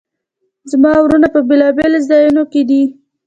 زما وروڼه په بیلابیلو ځایونو کې دي